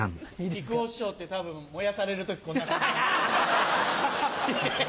木久扇師匠って多分燃やされる時こんな感じ。